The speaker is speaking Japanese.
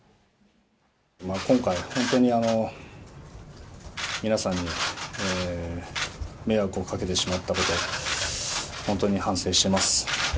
今回、本当に皆さんに迷惑をかけてしまったことを、本当に反省してます。